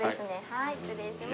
はい失礼します。